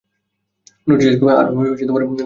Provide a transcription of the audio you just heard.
Notice আসবে, আর ঘর খালি হয়ে যাবে।